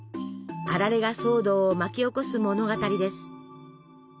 「あられ」が騒動を巻き起こす物語です。